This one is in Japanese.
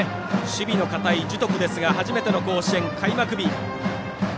守備の堅い樹徳ですが初めての甲子園開幕日。